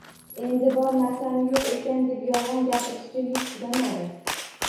Endi bor narsani yo‘q ekan deb yolg‘on gapirishga yuzi chidamadi